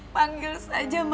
panggil saja aku ya